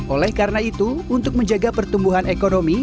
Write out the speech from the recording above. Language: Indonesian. oleh karena itu untuk menjaga pertumbuhan ekonomi